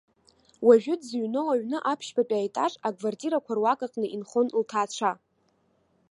Уажәы дзыҩноу аҩны аԥшьбатәи аетаж, аквартирақәа руак аҟны инхон лҭаацәа.